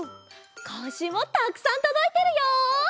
こんしゅうもたくさんとどいてるよ！